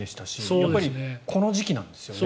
やっぱりこの時期なんですよね。